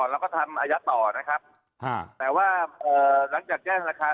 เราก็ทำอายัดต่อนะครับแต่ว่าหลังจากแจ้งราคา